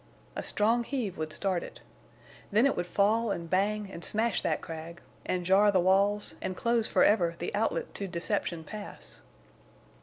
A strong heave would start it. Then it would fall and bang, and smash that crag, and jar the walls, and close forever the outlet to Deception Pass!"